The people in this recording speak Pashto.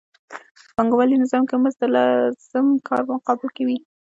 په پانګوالي نظام کې مزد د لازم کار په مقابل کې وي